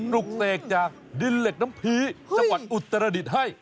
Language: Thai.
ลุกเสกจากดินเหล็กน้ำพีจังหวัดอุตรดิษฐ์ให้